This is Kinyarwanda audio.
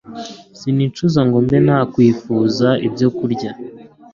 Sinicuza ngo mbe nakwifuza ibyokurya